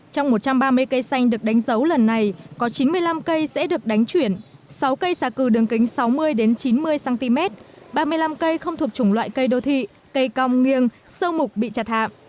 trong một trăm ba mươi cây xanh được đánh dấu lần này có chín mươi năm cây sẽ được đánh chuyển sáu cây xà cừ đường kính sáu mươi chín mươi cm ba mươi năm cây không thuộc chủng loại cây đô thị cây cong nghiêng sâu mục bị chặt hạ